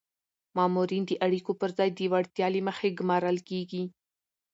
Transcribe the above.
مامورین د اړیکو پر ځای د وړتیا له مخې ګمارل کیږي.